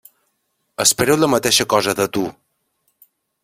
Espero la mateixa cosa de tu!